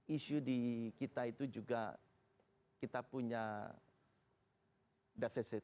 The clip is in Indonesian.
isu di kita itu juga kita punya defisit